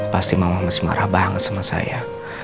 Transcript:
pasti mama masih marah banget sama saya